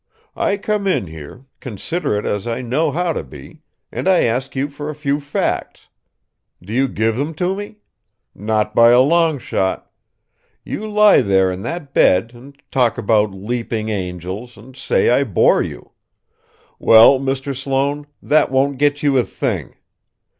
I come in here, considerate as I know how to be, and I ask you for a few facts. Do you give 'em to me? Not by a long shot! You lie there in that bed, and talk about leaping angels, and say I bore you! Well, Mr. Sloane, that won't get you a thing!